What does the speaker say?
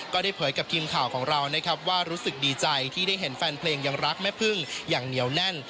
เผยกับทีมข่าวของเรานะครับว่ารู้สึกดีใจที่ได้เห็นแฟนเพลงยังรักแม่พึ่งอย่างเหนียวแน่น